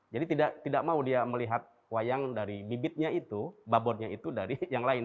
jadi tidak mau dia melihat wayang dari bibitnya itu babotnya itu dari yang lain